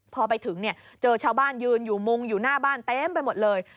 พอไปถึงเนี่ยเจอชาวบ้านยืนอยู่มุงอยู่หน้าบ้านเต็มไปหมดเลย